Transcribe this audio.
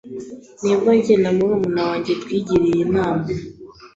nibwo njye na murumuna wanjye twigiriye inama